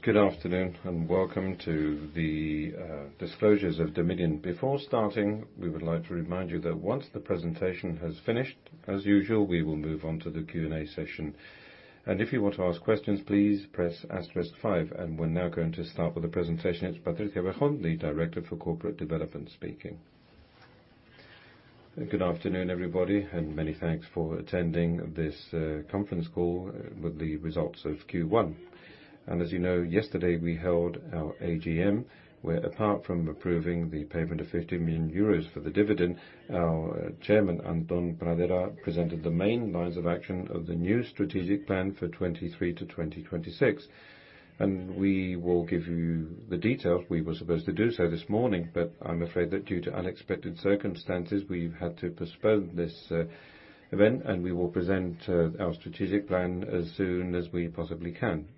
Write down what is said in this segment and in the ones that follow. Good afternoon, and welcome to the disclosures of Dominion. Before starting, we would like to remind you that once the presentation has finished, as usual, we will move on to the Q&A session. If you want to ask questions, please press asterisk five. We're now going to start with the presentation. It's Patricia Berjón, the Director for Corporate Development speaking. Good afternoon, everybody, and many thanks for attending this conference call with the results of Q1. As you know, yesterday we held our AGM, where apart from approving the payment of 50 million euros for the dividend, our Chairman, Antón Pradera, presented the main lines of action of the new strategic plan for 2023 to 2026. We will give you the details. We were supposed to do so this morning, but I'm afraid that due to unexpected circumstances, we've had to postpone this event, and we will present our strategic plan as soon as we possibly can.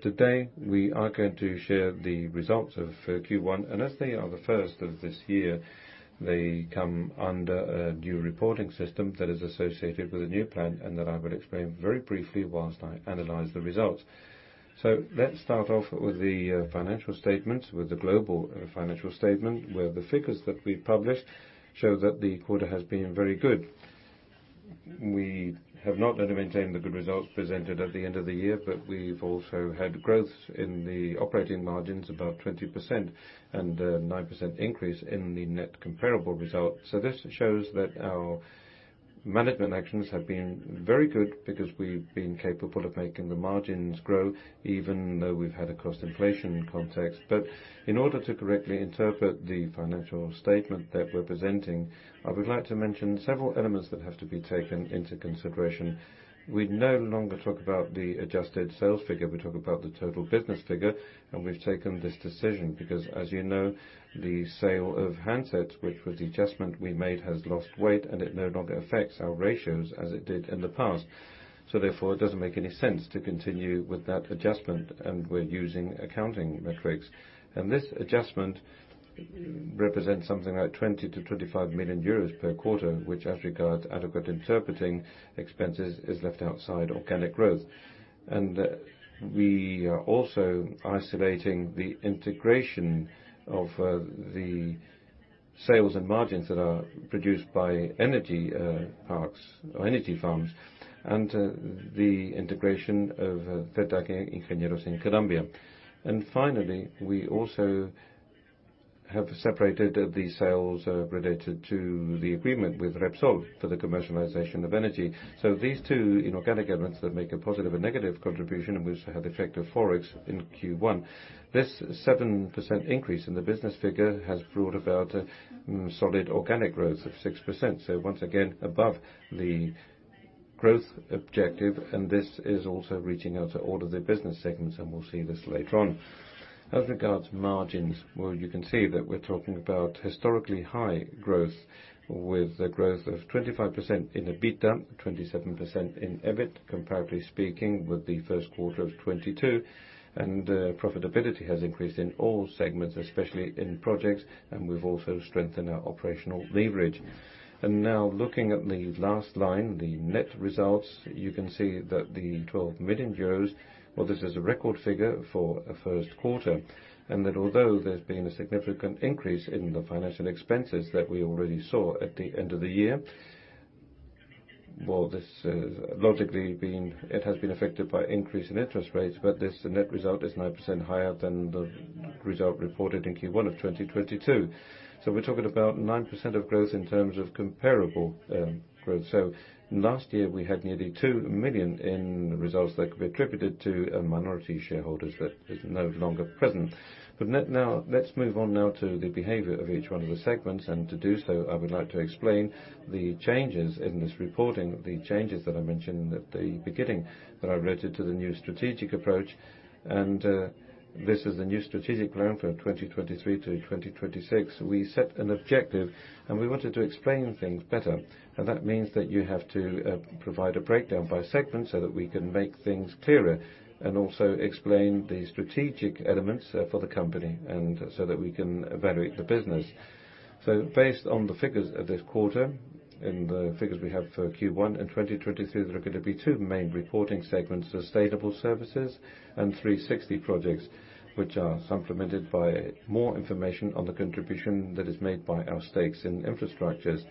Today, we are going to share the results of Q1. As they are the first of this year, they come under a new reporting system that is associated with a new plan and that I will explain very briefly whilst I analyze the results. Let's start off with the financial statements, with the global financial statement, where the figures that we published show that the quarter has been very good. We have not only maintained the good results presented at the end of the year, but we've also had growth in the operating margins, about 20%, and a 9% increase in the net comparable result. This shows that our management actions have been very good because we've been capable of making the margins grow, even though we've had a cost inflation context. In order to correctly interpret the financial statement that we're presenting, I would like to mention several elements that have to be taken into consideration. We no longer talk about the adjusted sales figure, we talk about the total business figure, and we've taken this decision because, as you know, the sale of handsets, which was the adjustment we made, has lost weight and it no longer affects our ratios as it did in the past. Therefore, it doesn't make any sense to continue with that adjustment, and we're using accounting metrics. This adjustment represents something like 20 million-25 million euros per quarter, which as regards adequate interpreting expenses, is left outside organic growth. We are also isolating the integration of the sales and margins that are produced by energy parks or energy farms and the integration of Cetec Ingenieros in Colombia. Finally, we also have separated the sales related to the agreement with Repsol for the commercialisation of energy. These two inorganic elements that make a positive and negative contribution, and we also have the effect of Forex in Q1. This 7% increase in the business figure has brought about a solid organic growth of 6%. Once again, above the growth objective, and this is also reaching out to all of the business segments, and we'll see this later on. As regards margins, well, you can see that we're talking about historically high growth with a growth of 25% in EBITDA, 27% in EBIT, comparatively speaking, with the Q1 of 2022. Profitability has increased in all segments, especially in projects, and we've also strengthened our operational leverage. Now looking at the last line, the net results, you can see that the 12 million euros, well, this is a record figure for a Q1, and that although there's been a significant increase in the financial expenses that we already saw at the end of the year, well, this is logically it has been affected by increase in interest rates, but this net result is 9% higher than the result reported in Q1 of 2022. We're talking about 9% of growth in terms of comparable growth. Last year, we had nearly 2 million in results that could be attributed to minority shareholders that is no longer present. Now let's move on now to the behavior of each one of the segments. To do so, I would like to explain the changes in this reporting, the changes that I mentioned at the beginning that are related to the new strategic approach. This is the new strategic plan for 2023 to 2026. We set an objective and we wanted to explain things better. That means that you have to provide a breakdown by segment so that we can make things clearer and also explain the strategic elements for the company and so that we can evaluate the business. Based on the figures of this quarter and the figures we have for Q1 in 2023, there are going to be two main reporting segments, Sustainable Services and 360 Projects, which are supplemented by more information on the contribution that is made by our stakes in infrastructures.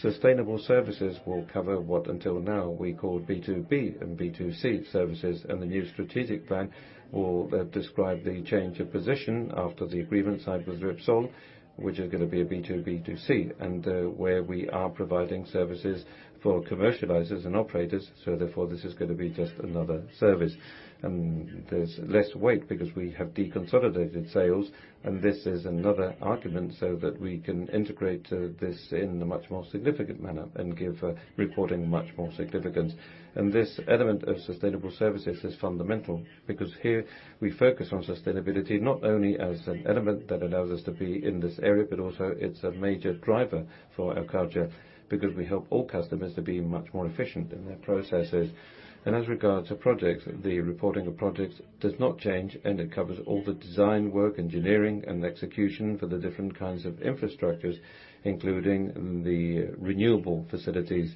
Sustainable Services will cover what until now we called B2B and B2C services, and the new strategic plan will describe the change of position after the agreement signed with Repsol, which is going to be a B2B2C, and where we are providing services for commercializers and operators. Therefore, this is going to be just another service. There's less weight because we have de-consolidated sales, and this is another argument so that we can integrate this in a much more significant manner and give reporting much more significance. This element of Sustainable Services is fundamental because here we focus on sustainability not only as an element that allows us to be in this area, but also it's a major driver for our culture because we help all customers to be much more efficient in their processes. As regards to projects, the reporting of projects does not change, and it covers all the design work, engineering, and execution for the different kinds of infrastructures, including the renewable facilities.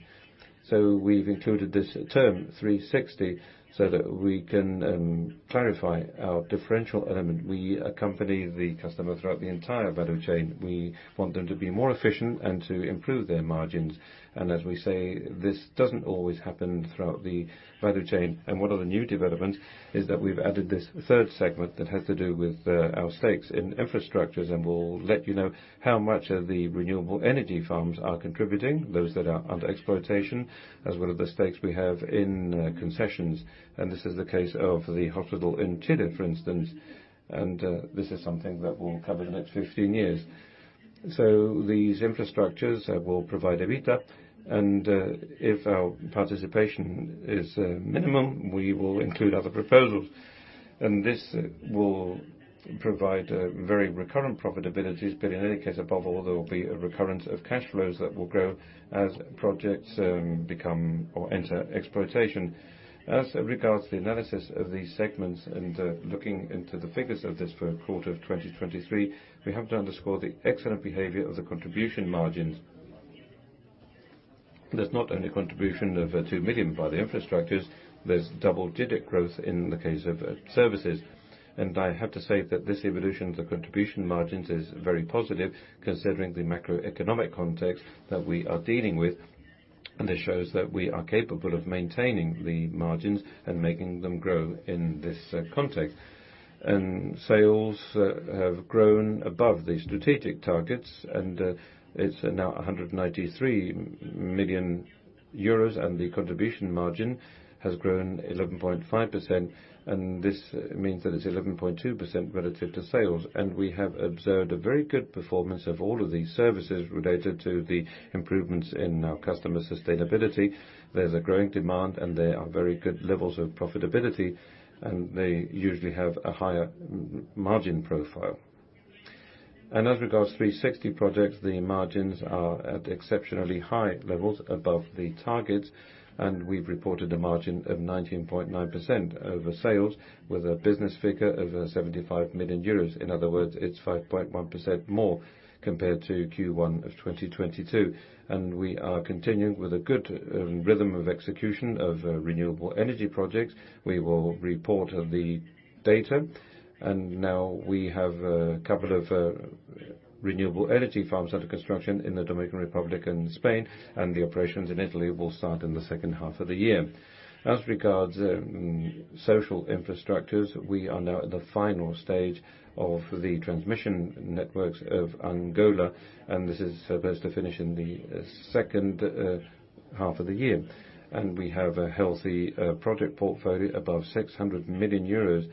We've included this term 360º so that we can clarify our differential element. We accompany the customer throughout the entire value chain. We want them to be more efficient and to improve their margins. As we say, this doesn't always happen throughout the value chain. One of the new developments is that we've added this third segment that has to do with our stakes in infrastructures, and we'll let you know how much of the renewable energy farms are contributing, those that are under exploitation, as well as the stakes we have in concessions. This is the case of the hospital in Chile, for instance. This is something that will cover the next 15 years. These infrastructures will provide EBITDA, and if our participation is minimum, we will include other proposals. This will provide very recurrent profitabilities. In any case, above all, there will be a recurrence of cash flows that will grow as projects become or enter exploitation. As regards the analysis of these segments, looking into the figures of this Q1 of 2023, we have to underscore the excellent behaviour of the contribution margins. There's not only contribution of 2 million by the infrastructures, there's double-digit growth in the case of services. I have to say that this evolution of the contribution margins is very positive considering the macroeconomic context that we are dealing with. This shows that we are capable of maintaining the margins and making them grow in this context. Sales have grown above the strategic targets, and it's now 193 million euros, and the contribution margin has grown 11.5%. This means that it's 11.2% relative to sales. We have observed a very good performance of all of these services related to the improvements in our customer sustainability. There's a growing demand, and there are very good levels of profitability, and they usually have a higher margin profile. As regards 360º Projects, the margins are at exceptionally high levels above the targets. We've reported a margin of 19.9% over sales with a business figure of 75 million euros. In other words, it's 5.1% more compared to Q1 of 2022. We are continuing with a good rhythm of execution of renewable energy projects. We will report the data. Now we have a couple of renewable energy farms under construction in the Dominican Republic and Spain, and the operations in Italy will start in the second half of the year. As regards social infrastructures, we are now at the final stage of the transmission networks of Angola, and this is supposed to finish in the second half of the year. We have a healthy project portfolio above 600 million euros.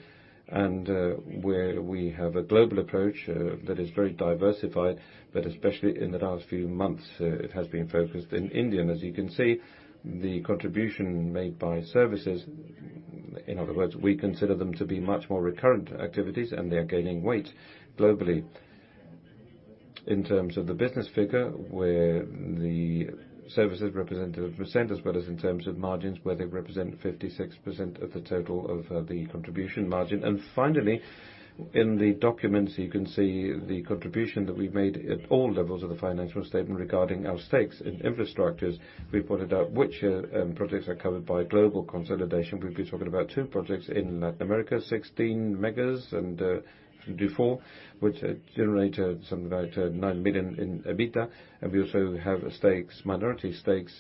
Where we have a global approach that is very diversified, but especially in the last few months, it has been focused in India. As you can see, the contribution made by services, in other words, we consider them to be much more recurrent activities, and they are gaining weight globally. In terms of the business figure, where the services represent a percent, as well as in terms of margins, where they represent 56% of the total of the contribution margin. Finally, in the documents, you can see the contribution that we've made at all levels of the financial statement regarding our stakes in infrastructures. We pointed out which projects are covered by global consolidation. We'll be talking about two projects in Latin America, 16 megas and Dufour, which generate some about 9 million in EBITDA. We also have stakes, minority stakes,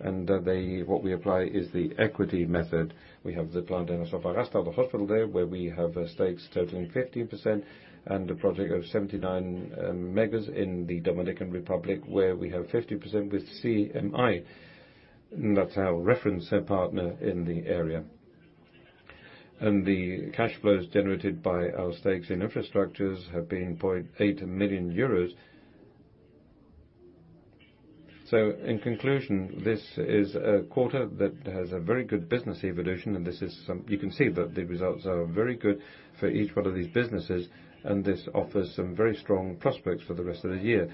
and they, what we apply is the equity method. We have the plant in Azufrade de Fraga, the hospital there, where we have stakes totaling 15% and a project of 79 megas in the Dominican Republic, where we have 50% with CMI. That's our reference partner in the area. The cash flows generated by our stakes in infrastructures have been 0.8 million euros. In conclusion, this is a quarter that has a very good business evolution. You can see that the results are very good for each one of these businesses, and this offers some very strong prospects for the rest of the year.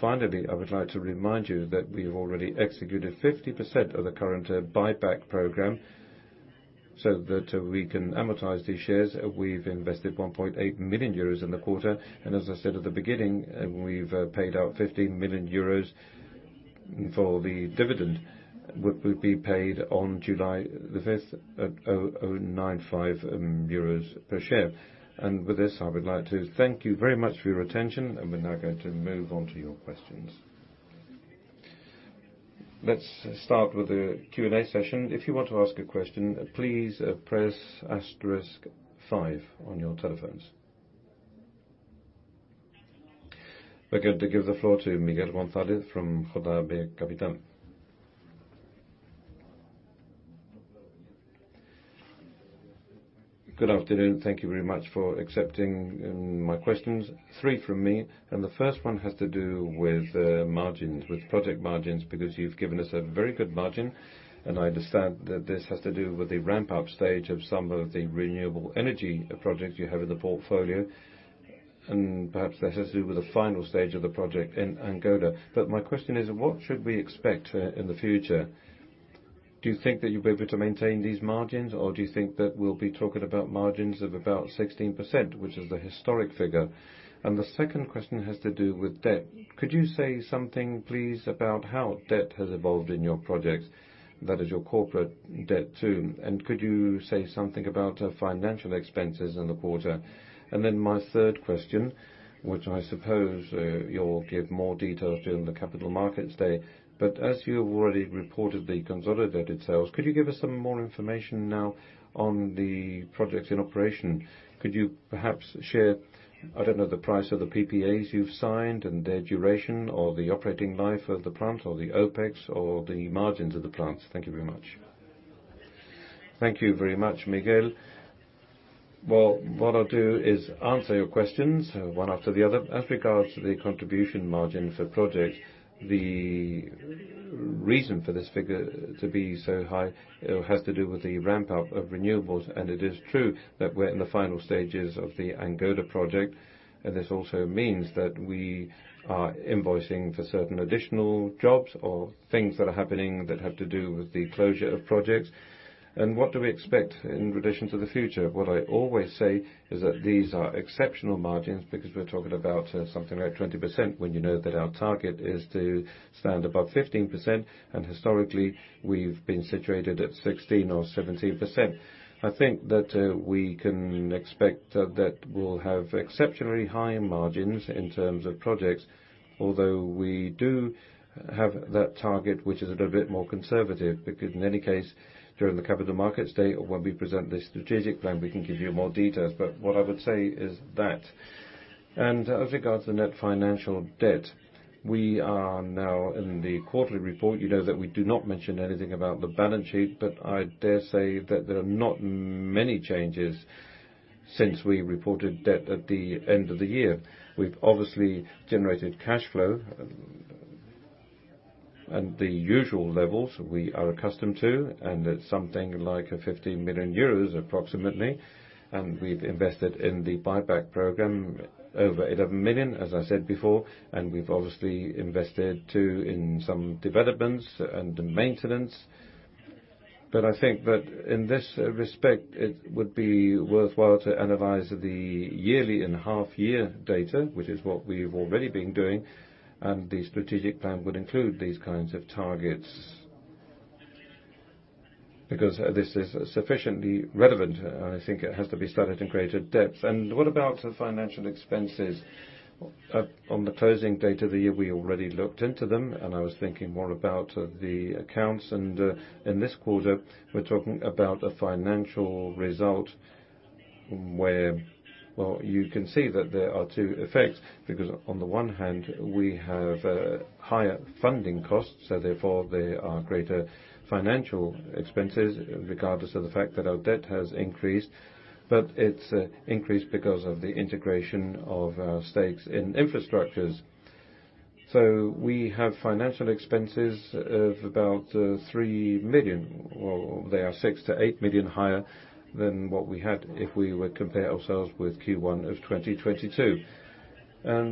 Finally, I would like to remind you that we've already executed 50% of the current buyback program so that we can amortize these shares. We've invested 1.8 million euros in the quarter. As I said at the beginning, we've paid out 15 million euros for the dividend. We'll be paid on July 5th at 0.095 euros per share. With this, I would like to thank you very much for your attention. We're now going to move on to your questions. Let's start with the Q&A session. If you want to ask a question, please press asterisk 5 on your telephones. We're going to give the floor to Miguel Gonzalez from Rodar BE Capital. Good afternoon. Thank you very much for accepting my questions. Three from me. The first one has to do with margins, with project margins, because you've given us a very good margin, and I understand that this has to do with the ramp-up stage of some of the renewable energy projects you have in the portfolio. Perhaps this has to do with the final stage of the project in Angola. My question is, what should we expect in the future? Do you think that you'll be able to maintain these margins, or do you think that we'll be talking about margins of about 16%, which is the historic figure? The second question has to do with debt. Could you say something, please, about how debt has evolved in your projects? That is your corporate debt too. Could you say something about financial expenses in the quarter? My third question, which I suppose, you'll give more details during the Capital Markets Day, but as you have already reported the consolidated sales, could you give us some more information now on the projects in operation? Could you perhaps share, I don't know, the price of the PPAs you've signed and their duration, or the operating life of the plant, or the OPEX, or the margins of the plants? Thank you very much. Thank you very much, Miguel. What I'll do is answer your questions one after the other. As regards to the contribution margin for project, the reason for this figure to be so high, has to do with the ramp-up of renewables. It is true that we're in the final stages of the Angola project, and this also means that we are invoicing for certain additional jobs or things that are happening that have to do with the closure of projects. What do we expect in relation to the future? What I always say is that these are exceptional margins because we're talking about something like 20% when you know that our target is to stand above 15%, and historically, we've been situated at 16% or 17%. I think that we can expect that we'll have exceptionally high margins in terms of projects, although we do have that target, which is a little bit more conservative, because in any case, during the Capital Markets Day or when we present the strategic plan, we can give you more details. What I would say is that. As regards to net financial debt, we are now in the quarterly report, you know that we do not mention anything about the balance sheet, but I dare say that there are not many changes since we reported debt at the end of the year. We've obviously generated cash flow at the usual levels we are accustomed to, and it's something like, 50 million euros approximately. We've invested in the buyback program over 8 million, as I said before, and we've obviously invested too in some developments and maintenance. I think that in this respect, it would be worthwhile to analyze the yearly and half year data, which is what we've already been doing, and the strategic plan would include these kinds of targets. Because this is sufficiently relevant, I think it has to be studied in greater depth. What about the financial expenses? On the closing date of the year, we already looked into them and I was thinking more about the accounts. In this quarter, we're talking about a financial result where... Well, you can see that there are two effects, because on the one hand, we have higher funding costs, so therefore there are greater financial expenses regardless of the fact that our debt has increased, but it's increased because of the integration of our stakes in infrastructures. So we have financial expenses of about 3 million. Well, they are 6 million-8 million higher than what we had if we would compare ourselves with Q1 of 2022.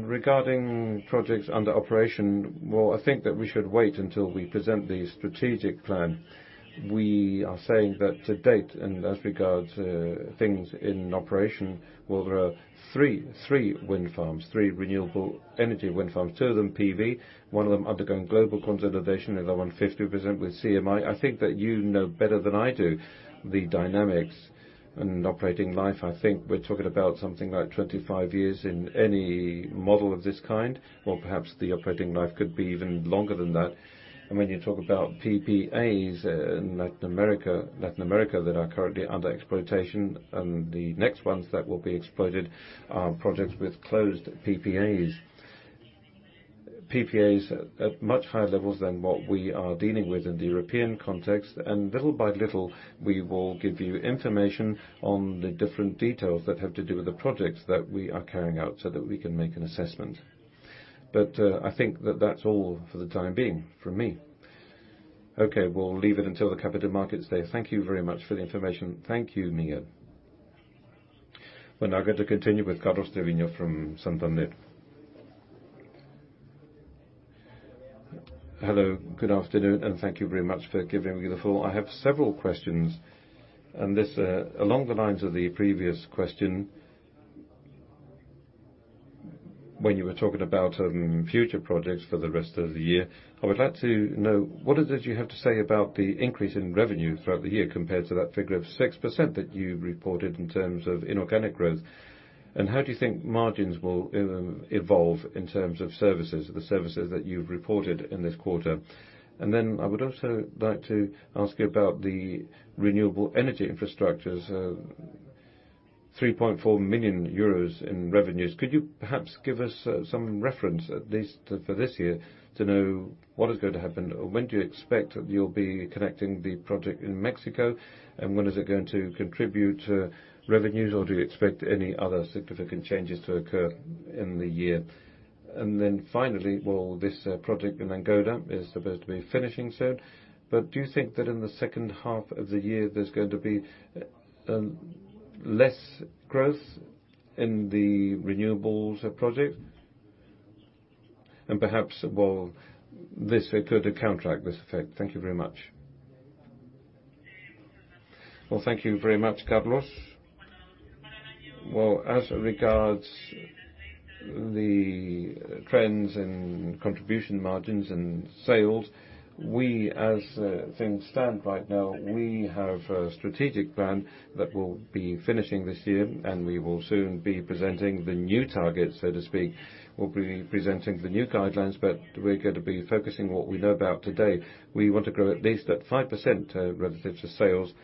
Regarding projects under operation, I think that we should wait until we present the strategic plan. We are saying that to date, and as regards things in operation, there are 3 wind farms, 3 renewable energy wind farms, 2 of them PV, 1 of them undergoing global consolidation, another one 50% with CMI. I think that you know better than I do the dynamics in operating life. I think we're talking about something like 25 years in any model of this kind, or perhaps the operating life could be even longer than that. When you talk about PPAs in Latin America that are currently under exploitation, and the next ones that will be exploited are projects with closed PPAs. PPAs at much higher levels than what we are dealing with in the European context. Little by little, we will give you information on the different details that have to do with the projects that we are carrying out so that we can make an assessment. I think that that's all for the time being from me. Okay, we'll leave it until the Capital Markets Day. Thank you very much for the information. Thank you, Miguel. We're now going to continue with Carlos Treviño from Santander. Hello, good afternoon, and thank you very much for giving me the floor. I have several questions. This, along the lines of the previous question. When you were talking about future projects for the rest of the year, I would like to know what it is you have to say about the increase in revenue throughout the year compared to that figure of 6% that you reported in terms of inorganic growth. How do you think margins will evolve in terms of services, the services that you've reported in this quarter? I would also like to ask you about the renewable energy infrastructures, 3.4 million euros in revenues. Could you perhaps give us some reference, at least for this year, to know what is going to happen? When do you expect you'll be connecting the project in Mexico? When is it going to contribute to revenues, or do you expect any other significant changes to occur in the year? Finally, well, this project in Angola is supposed to be finishing soon, but do you think that in the second half of the year there's going to be less growth in the renewables project? Perhaps, well, this could counteract this effect. Thank you very much. Well, thank you very much, Carlos. As regards the trends in contribution margins and sales, we as things stand right now, we have a strategic plan that will be finishing this year, and we will soon be presenting the new target, so to speak. We'll be presenting the new guidelines, but we're gonna be focusing what we know about today. We want to grow at least at 5% relative to sales,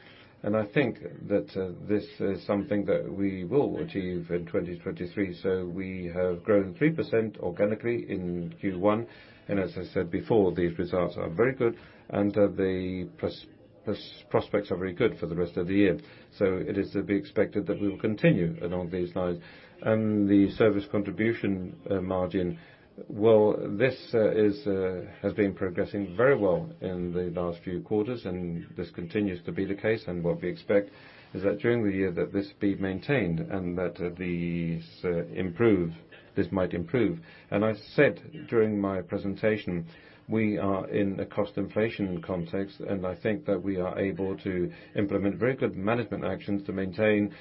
and I think that this is something that we will achieve in 2023. We have grown 3% organically in Q1, and as I said before, these results are very good and the plus-plus prospects are very good for the rest of the year. It is to be expected that we will continue along these lines. The service contribution margin. This has been progressing very well in the last few quarters, and this continues to be the case. What we expect is that during the year that this be maintained and that this might improve. I said during my presentation, we are in a cost inflation context, and I think that we are able to implement very good management actions to maintain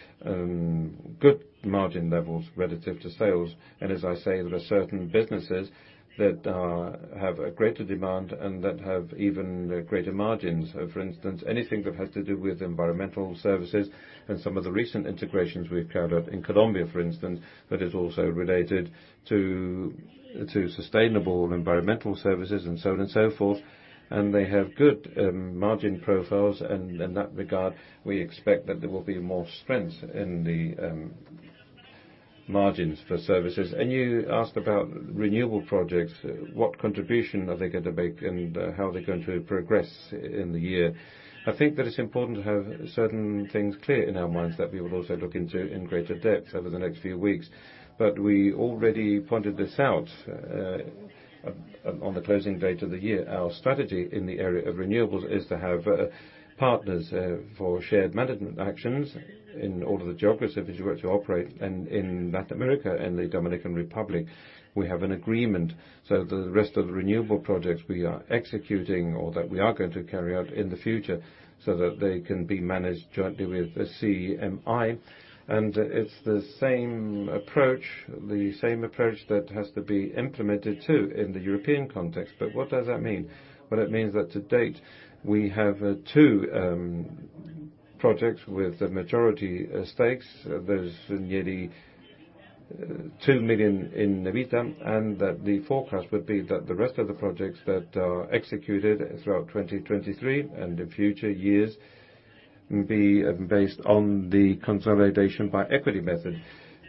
good margin levels relative to sales. As I say, there are certain businesses that have a greater demand and that have even greater margins. For instance, anything that has to do with environmental services and some of the recent integrations we've carried out in Colombia, for instance, that is also related to sustainable environmental services and so on and so forth. They have good margin profiles. In that regard, we expect that there will be more strength in the margins for services. You asked about renewable projects, what contribution are they going to make and how are they going to progress in the year. I think that it's important to have certain things clear in our minds that we will also look into in greater depth over the next few weeks. We already pointed this out on the closing date of the year. Our strategy in the area of renewables is to have partners for shared management actions in all of the geographies in which we operate. In Latin America and the Dominican Republic, we have an agreement, so the rest of the renewable projects we are executing or that we are going to carry out in the future so that they can be managed jointly with CMI. It's the same approach, the same approach that has to be implemented too in the European context. What does that mean? Well, it means that to date we have two projects with the majority stakes. There's nearly 2 million in Nevita, and that the forecast would be that the rest of the projects that are executed throughout 2023 and the future years be based on the consolidation by equity method.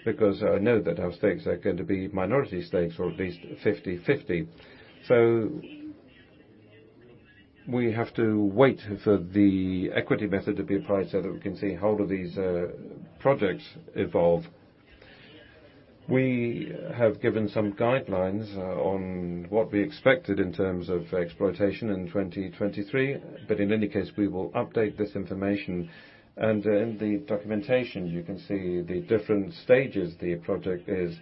I know that our stakes are going to be minority stakes or at least 50/50. We have to wait for the equity method to be applied so that we can see how do these projects evolve. We have given some guidelines on what we expected in terms of exploitation in 2023. In any case, we will update this information. In the documentation, you can see the different stages the project is.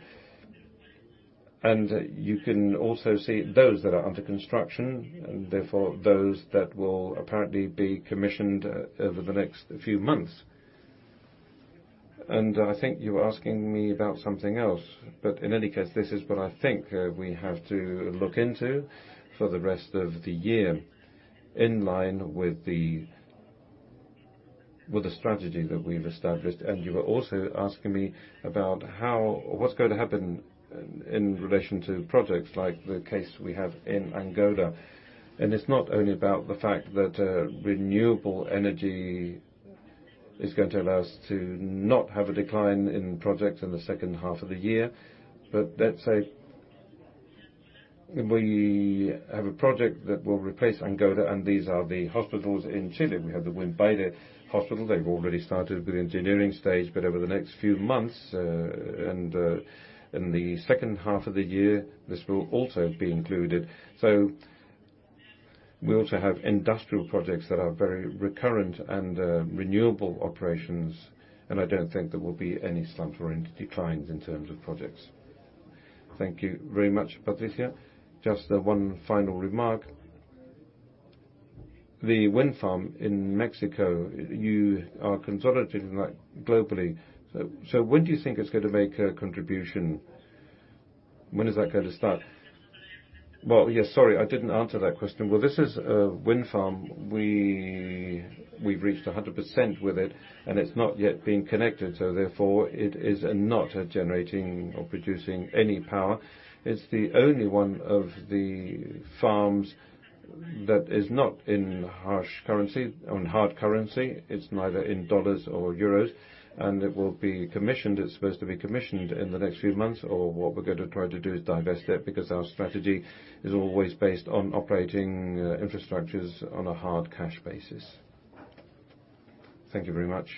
You can also see those that are under construction and therefore those that will apparently be commissioned over the next few months. I think you were asking me about something else. In any case, this is what I think we have to look into for the rest of the year in line with the strategy that we've established. You were also asking me about what's going to happen in relation to projects like the case we have in Angola. It's not only about the fact that renewable energy is going to allow us to not have a decline in projects in the second half of the year. Let's say we have a project that will replace Angola, and these are the hospitals in Chile. We have the Wind Bay Hospital. They've already started with the engineering stage. Over the next 3 months, in the second half of the year, this will also be included. We also have industrial projects that are very recurrent, renewable operations. I don't think there will be any slump or any declines in terms of projects. Thank you very much, Patricia. Just 1 final remark. The wind farm in Mexico, you are consolidating that globally. When do you think it's going to make a contribution? When is that going to start? Yes, sorry, I didn't answer that question. This is a wind farm. We've reached 100% with it. It's not yet been connected, therefore it is not generating or producing any power. It's the only one of the farms that is not in hard currency. It's neither in dollars or euros. It will be commissioned. It's supposed to be commissioned in the next few months, or what we're gonna try to do is divest it, because our strategy is always based on operating infrastructures on a hard cash basis. Thank you very much.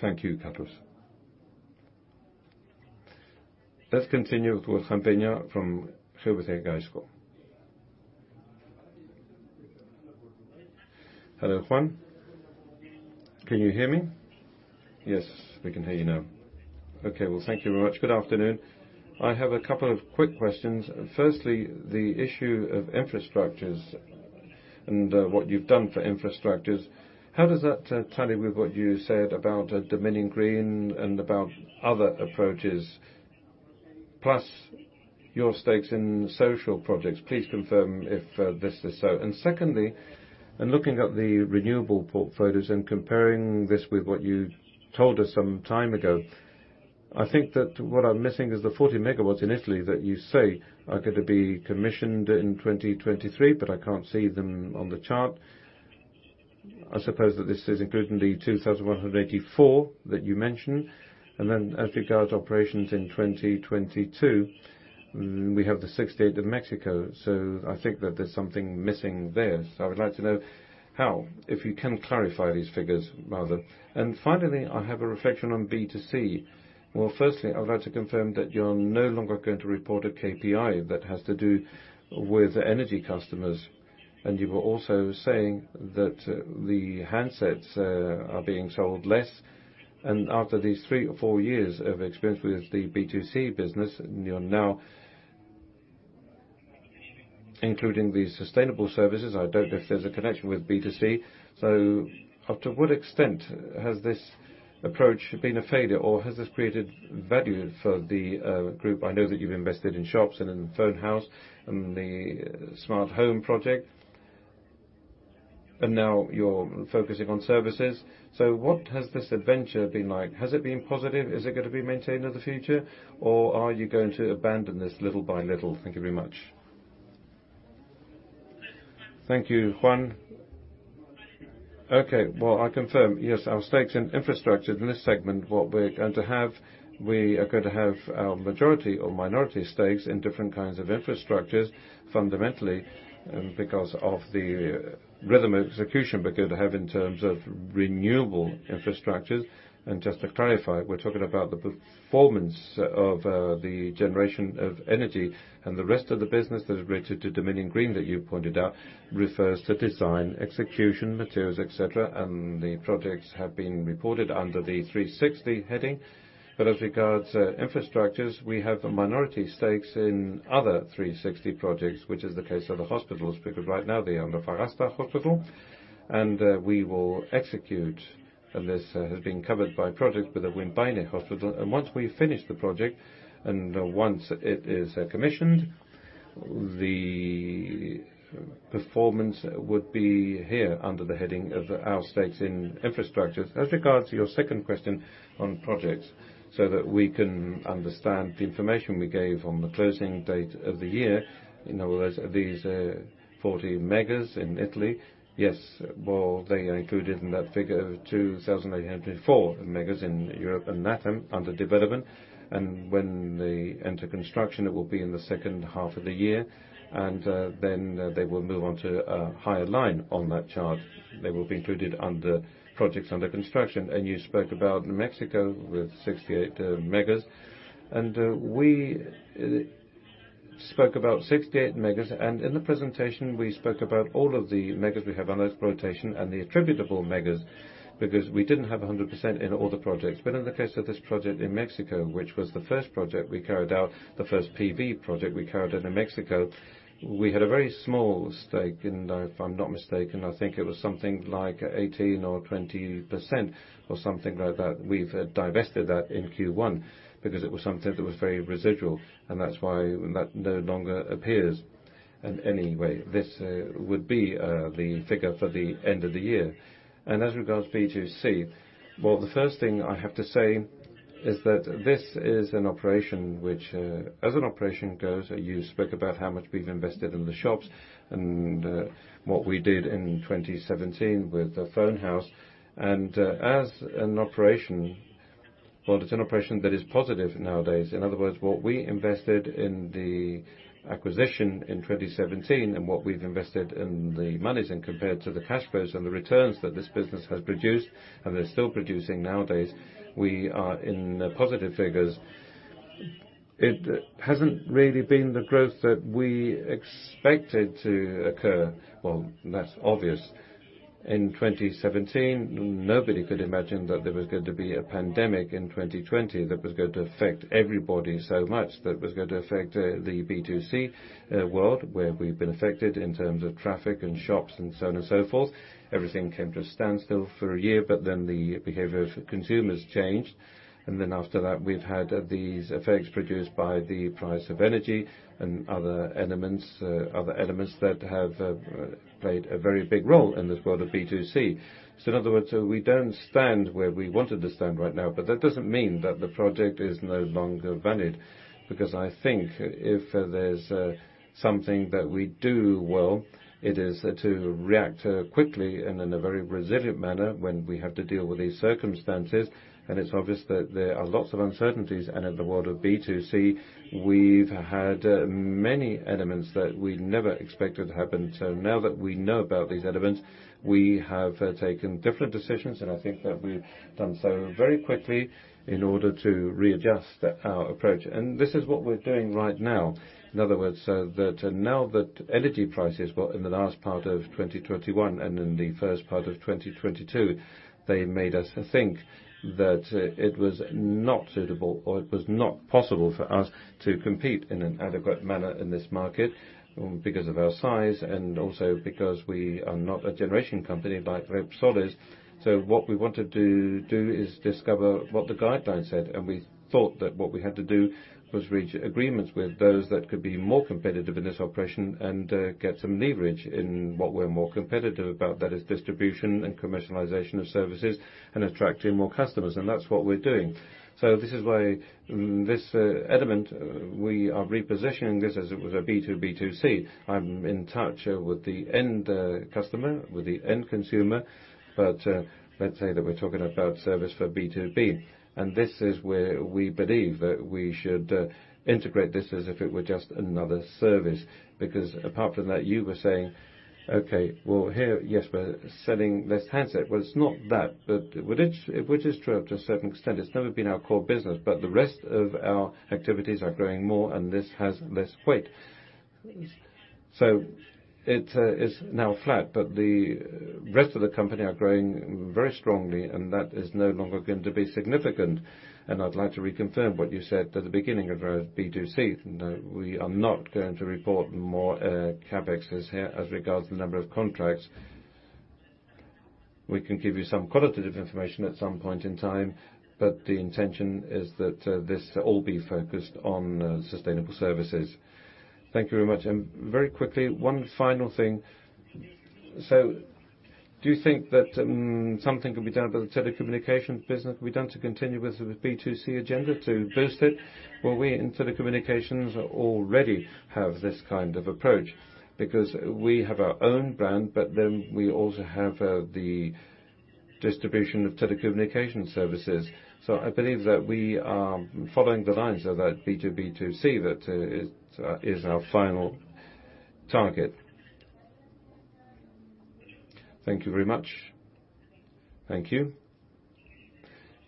Thank you, Carlos. Let's continue with Juan Peña from GVC Gaesco. Hello, Juan. Can you hear me? Yes, we can hear you now. Okay. Well, thank you very much. Good afternoon. I have two quick questions. Firstly, the issue of infrastructures and what you've done for infrastructures, how does that tally with what you said about Dominion Green and about other approaches, plus your stakes in social projects? Please confirm if this is so. Secondly, in looking at the renewable portfolios and comparing this with what you told us some time ago, I think that what I'm missing is the 40 megawatts in Italy that you say are gonna be commissioned in 2023. I can't see them on the chart. I suppose that this is including the 2,184 that you mentioned. As regards to operations in 2022, we have the 68 in Mexico. I think that there's something missing there. I would like to know how, if you can clarify these figures rather. Finally, I have a reflection on B2C. Firstly, I would like to confirm that you're no longer going to report a KPI that has to do with energy customers. You were also saying that the handsets are being sold less. After these three or four years of experience with the B2C business, and you're now including these Sustainable Services, I don't know if there's a connection with B2C. Up to what extent has this approach been a failure, or has this created value for the group? I know that you've invested in shops and in Phone House and the Smart Home project, and now you're focusing on services. What has this adventure been like? Has it been positive? Is it gonna be maintained in the future? Are you going to abandon this little by little? Thank you very much. Thank you, Juan. I confirm, yes, our stakes in infrastructure in this segment, we are going to have majority or minority stakes in different kinds of infrastructures, fundamentally, because of the rhythm of execution we're going to have in terms of renewable infrastructures. Just to clarify, we're talking about the performance of the generation of energy. The rest of the business that is related to Dominion Green that you pointed out refers to design, execution, materials, et cetera, the projects have been reported under the 360º heading. As regards to infrastructures, we have minority stakes in other 360º Projects, which is the case of the hospitals, because right now the Aranda de Fraga Hospital, we will execute, and this has been covered by project with the Vimbi Hospital. Once we finish the project, and once it is commissioned, the performance would be here under the heading of our stakes in infrastructure. As regards to your second question on projects, so that we can understand the information we gave on the closing date of the year. In other words, these 40 megas in Italy. Yes, well, they are included in that figure of 2,804 megas in Europe and LATAM under development. When they enter construction, it will be in the second half of the year. Then they will move on to a higher line on that chart. They will be included under projects under construction. You spoke about Mexico with 68 megas. We spoke about 68 megas. In the presentation, we spoke about all of the megas we have under exploitation and the attributable megas, because we didn't have 100% in all the projects. In the case of this project in Mexico, which was the first project we carried out, the first PV project we carried out in Mexico, we had a very small stake. If I'm not mistaken, I think it was something like 18% or 20% or something like that. We've divested that in Q1 because it was something that was very residual, and that's why that no longer appears. Anyway, this would be the figure for the end of the year. As regards to B2C, well, the first thing I have to say is that this is an operation which, as an operation goes, you spoke about how much we've invested in the shops and what we did in 2017 with The Phone House. As an operation, well, it's an operation that is positive nowadays. In other words, what we invested in the acquisition in 2017 and what we've invested in the moneys and compared to the cash flows and the returns that this business has produced, and they're still producing nowadays, we are in positive figures. It hasn't really been the growth that we expected to occur. Well, that's obvious. In 2017, nobody could imagine that there was going to be a pandemic in 2020 that was going to affect everybody so much, that was going to affect the B2C world, where we've been affected in terms of traffic and shops and so on and so forth. Everything came to a standstill for a year. The behavior of consumers changed. After that, we've had these effects produced by the price of energy and other elements, other elements that have played a very big role in this world of B2C. In other words, we don't stand where we wanted to stand right now, but that doesn't mean that the project is no longer valid, because I think if there's something that we do well, it is to react quickly and in a very resilient manner when we have to deal with these circumstances. It's obvious that there are lots of uncertainties. In the world of B2C, we've had many elements that we never expected to happen. Now that we know about these elements, we have taken different decisions, and I think that we've done so very quickly in order to readjust our approach. This is what we're doing right now. In other words, that now that energy prices, well, in the last part of 2021 and in the first part of 2022, they made us think that it was not suitable or it was not possible for us to compete in an adequate manner in this market because of our size and also because we are not a generation company like Repsol is. So what we wanted to do is discover what the guidelines said, and we thought that what we had to do was reach agreements with those that could be more competitive in this operation and get some leverage in what we're more competitive about. That is distribution and commercialisation of services and attracting more customers. And that's what we're doing. This is why this element, we are repositioning this as it was a B2B2C. I'm in touch with the end customer, with the end consumer. Let's say that we're talking about service for B2B, and this is where we believe that we should integrate this as if it were just another service. Apart from that, you were saying, "Okay, well, here, yes, we're selling this handset." Well, it's not that. Which is true to a certain extent. It's never been our core business, but the rest of our activities are growing more, and this has less weight. It is now flat, but the rest of the company are growing very strongly, and that is no longer going to be significant. I'd like to reconfirm what you said at the beginning about B2C. No, we are not going to report more CapEx here as regards to the number of contracts. We can give you some qualitative information at some point in time, but the intention is that this all be focused on Sustainable Services. Thank you very much. Very quickly, one final thing. Do you think that something could be done by the telecommunications business could be done to continue with the B2C agenda to boost it? We in telecommunications already have this kind of approach because we have our own brand, but then we also have the distribution of telecommunication services. I believe that we are following the lines of that B2B2C that it is our final target. Thank you very much. Thank you.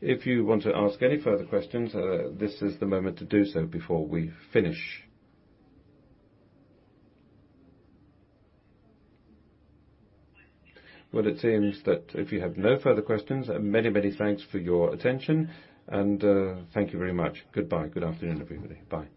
If you want to ask any further questions, this is the moment to do so before we finish. Well, it seems that if you have no further questions, many, many thanks for your attention and, thank you very much. Goodbye. Good afternoon, everybody. Bye.